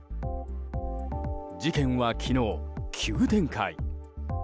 事件は昨日、急展開。